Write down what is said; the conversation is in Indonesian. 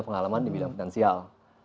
pengalaman di bidang finansial